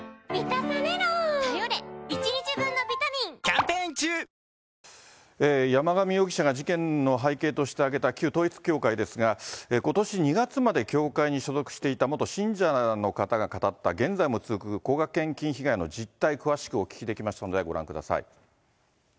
さて、山上容疑者が事件の背景として挙げた旧統一教会ですが、ことし２月まで教会に所属していた元信者の方が語った現在も続く高額献金被害の実態、詳しくお聞きできましたので、ご覧ください。